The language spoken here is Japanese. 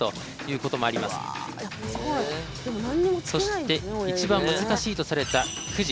そして一番難しいとされた「藤」。